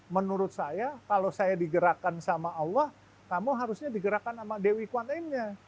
menurut saya kalau saya digerakkan sama allah kamu harusnya digerakkan sama dewi kuantaimnya